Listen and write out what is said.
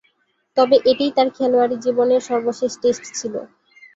তবে, এটিই তার খেলোয়াড়ী জীবনের সর্বশেষ টেস্ট ছিল।